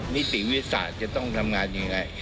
นิติวิทยาศาสตร์จะต้องทำงานยังไง